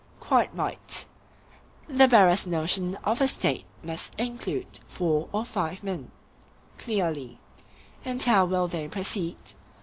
Quite right. The barest notion of a State must include four or five men. Clearly. And how will they proceed?